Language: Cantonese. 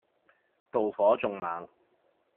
妒火縱猛